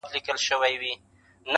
• زما د سر امان دي وي لویه واکمنه -